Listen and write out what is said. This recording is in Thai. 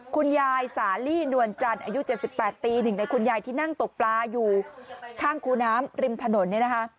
คุณยายสาลี่นวลจันทร์อายุ๗๘ปีหนึ่งในคุณยายที่นั่งตกปลาอยู่ข้างคูน้ำริมถนนเนี่ยนะคะ